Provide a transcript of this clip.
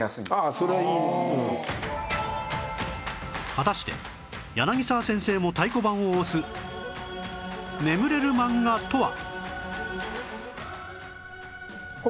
果たして柳沢先生も太鼓判を押す眠れる漫画とは？